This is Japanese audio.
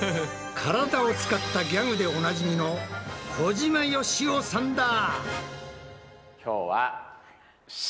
体を使ったギャグでおなじみの小島よしおさんだ！